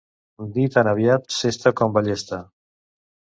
Dir tan aviat sesta com ballesta.